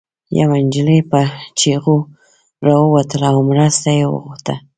يوه انجلۍ په چيغو راووتله او مرسته يې غوښته